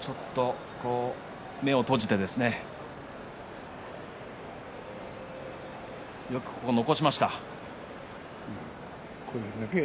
ちょっと目を閉じてよく残しました。